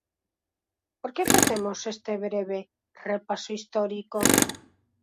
¿Por que facemos este breve repaso histórico?